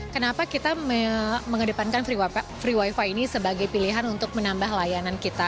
kenapa kita mengedepankan free wifi ini sebagai pilihan untuk menambah layanan kita